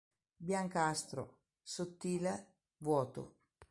Biancastro, sottile, vuoto.